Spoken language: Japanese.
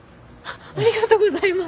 ありがとうございます。